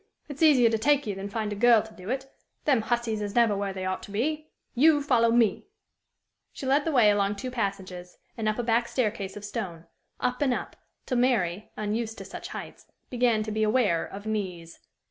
It's easier to take you than find a girl to do it. Them hussies is never where they oughto be! You follow me." She led the way along two passages, and up a back staircase of stone up and up, till Mary, unused to such heights, began to be aware of knees.